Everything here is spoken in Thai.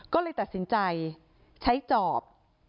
ก็เลยตัดสินใจใช้จอบ